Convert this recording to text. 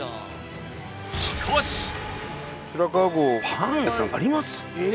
パン屋さんあります？